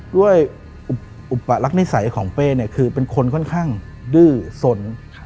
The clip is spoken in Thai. อุปรักนิสัยของเป้เนี่ยคือเป็นคนค่อนข้างดื้อสน